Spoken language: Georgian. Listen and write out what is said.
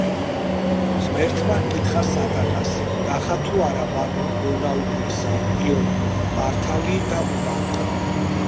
ღმერთმა ჰკითხა სატანას, ნახა თუ არა მან მონა უფლისა იობი, მართალი და უმანკო.